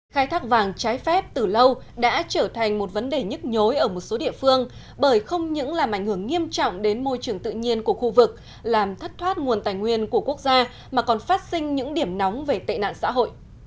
khai thác vàng trái phép từ lâu đã trở thành một vấn đề nhức nhối ở một số địa phương bởi không những làm ảnh hưởng nghiêm trọng đến môi trường tự nhiên của khu vực làm thất thoát nguồn tài nguyên của quốc gia mà còn phát sinh những điểm nóng về tệ nạn xã hội